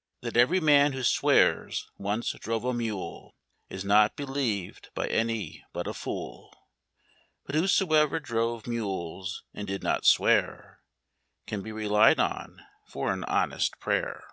" That every man who swears once drove a mule Is not believed by any but a fool ; But whosoe'er drove mules and did not swear Can be relied on for an honest prayer."